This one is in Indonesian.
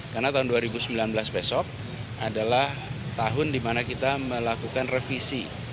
karena tahun dua ribu sembilan belas besok adalah tahun di mana kita melakukan revisi